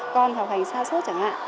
con học hành xa xốt chẳng hạn